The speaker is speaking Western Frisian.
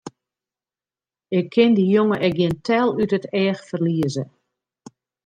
Ik kin dy jonge ek gjin tel út it each ferlieze!